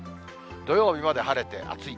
土曜日まで晴れて暑い。